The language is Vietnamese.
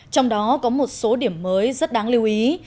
trong đó có một số điểm mới rất đáng lưu ý